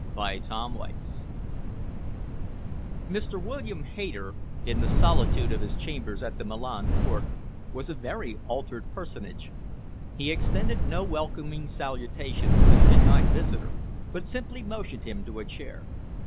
CHAPTER XVI Mr. William Hayter, in the solitude of his chambers at the Milan Court, was a very altered personage. He extended no welcoming salutation to his midnight visitor but simply motioned him to a chair.